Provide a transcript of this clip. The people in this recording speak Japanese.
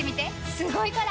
すごいから！